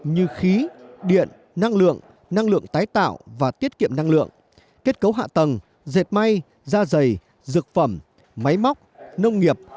như khí điện năng lượng năng lượng tái tạo và tiết kiệm năng lượng kết cấu hạ tầng dệt may da dày dược phẩm máy móc nông nghiệp